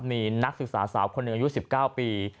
มีนักศึกษาสาวคนหนึ่งอายุ๑๙ปี